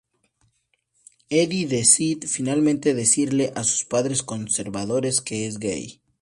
Eddie decide finalmente decirle a sus padres conservadores que es gay.